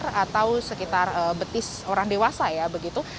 seratus cm atau sekitar betis orang dewasa ya begitu